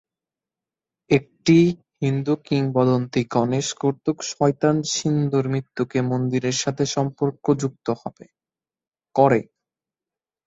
একটি হিন্দু কিংবদন্তি গণেশ কর্তৃক শয়তান সিন্ধুর মৃত্যুকে মন্দিরের সাথে সম্পর্কযুক্ত করে।